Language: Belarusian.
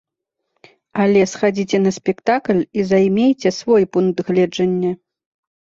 Але схадзіце на спектакль і займейце свой пункт гледжання.